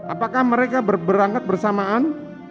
apakah mereka berangkat bersamaan